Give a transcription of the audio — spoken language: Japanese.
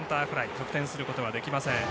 得点することはできません。